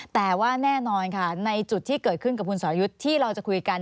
แต่ว่าแน่นอนค่ะในจุดที่เกิดขึ้นกับคุณสอรยุทธ์ที่เราจะคุยกัน